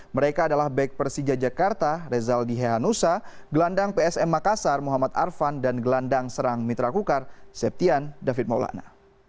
mereka adalah back persija jakarta rezaldi hehanusa gelandang psm makassar muhammad arfan dan gelandang serang mitra kukar septian david maulana